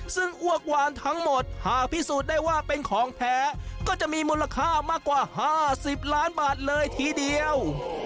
ซึ่งอ้วกวานทั้งหมดหากพิสูจน์ได้ว่าเป็นของแท้ก็จะมีมูลค่ามากกว่า๕๐ล้านบาทเลยทีเดียว